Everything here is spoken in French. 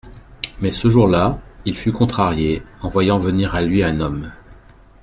Mais, ce jour-là, il fut contrarié, en voyant venir à lui un homme.